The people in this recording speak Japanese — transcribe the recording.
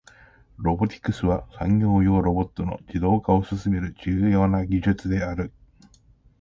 ロボティクスは、産業用ロボットの自動化を進める重要な技術である。